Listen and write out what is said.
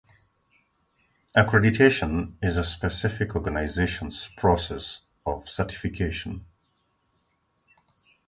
Accreditation is a specific organization's process of certification.